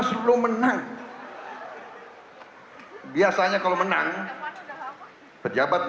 akan lah minta juga oozean yang sama dan mending varya diantur